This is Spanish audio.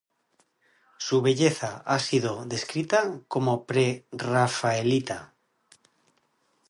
Su belleza ha sido descrita como pre-rafaelita.